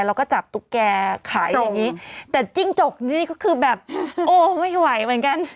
เราก็จับตุ๊กแกขายอย่างงี้แต่จิ้งจกนี่ก็คือแบบโอ้ไม่ไหวเหมือนกัน